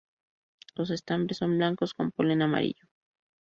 Los estambres son blancos con polen amarillo.